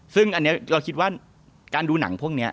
ซึ่งอันนี้เราคิดว่าการดูหนังพวกนี้